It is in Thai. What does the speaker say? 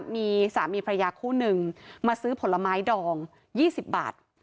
มีสามีพระยาคู่นึงมาซื้อผลไม้ดอง๒๐บาท